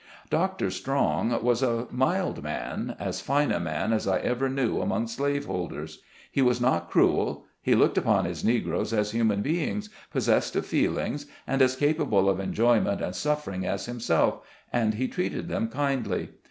Dr. Strong was a mild man — as fine a man as I ever knew among slave holders. He was not cruel ; he looked upon his Negroes as human beings, pos sessed of feelings, and as capable of enjoyment and suffering as himself, and he treated them kindly.